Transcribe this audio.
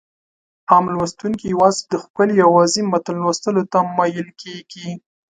عام لوستونکي يوازې د ښکلي او واضح متن لوستلو ته مايل کېږي.